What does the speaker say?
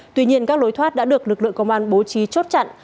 tuy nhiên các lối thoát đã được lực lượng công an bố trí chốt chặn